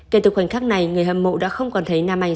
kể từ khoảnh khắc này người hâm mộ đã không còn thấy nam anh